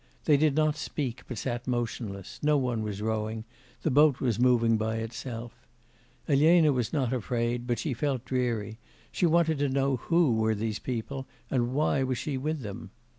They did not speak, but sat motionless, no one was rowing; the boat was moving by itself. Elena was not afraid, but she felt dreary; she wanted to know who were these people, and why she was with them?